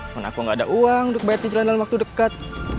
mana aku gak ada uang untuk bayar cicilan dalam waktu dekat